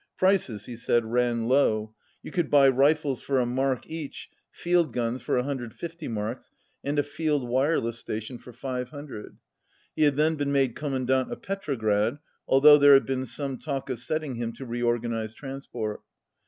Prices, he said, ran low. You could buy rifles for a mark each, field guns for 150 marks, and a field wireless station for 500. He had then been made Commandant of Petrograd, although there had been some talk of setting him to reorganize transport.